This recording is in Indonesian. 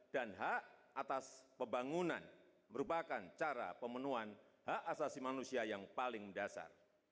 dan hak atas pembangunan merupakan cara pemenuhan hak asasi manusia yang paling mendasar